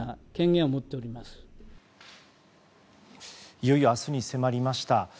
いよいよ明日に迫りました。